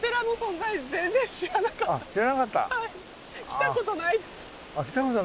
来たことない？